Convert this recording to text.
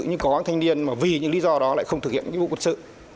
nhưng có anh thanh niên vì những lý do đó lại không thực hiện nhiệm vụ quân sự